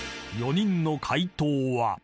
［４人の解答は］